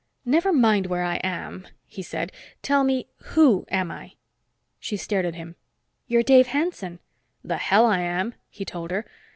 "Never mind where I am," he said. "Tell me, who am I?" She stared at him. "You're Dave Hanson." "The hell I am," he told her.